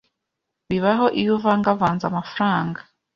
bibaho Iyo uvangavanze amafaranga,